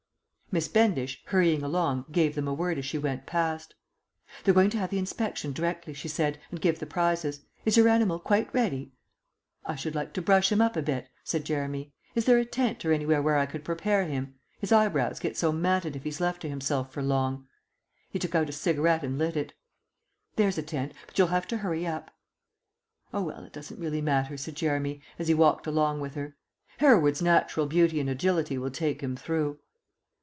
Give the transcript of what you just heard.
Miss Bendish, hurrying along, gave them a word as she went past. "They're going to have the inspection directly," she said, "and give the prizes. Is your animal quite ready?" "I should like to brush him up a bit," said Jeremy. "Is there a tent or anywhere where I could prepare him? His eyebrows get so matted if he's left to himself for long." He took out a cigarette and lit it. "There's a tent, but you'll have to hurry up." "Oh, well, it doesn't really matter," said Jeremy, as he walked along with her. "Hereward's natural beauty and agility will take him through."